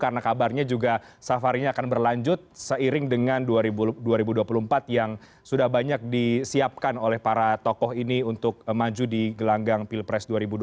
karena kabarnya juga safarinya akan berlanjut seiring dengan dua ribu dua puluh empat yang sudah banyak disiapkan oleh para tokoh ini untuk maju di gelanggang pilpres dua ribu dua puluh empat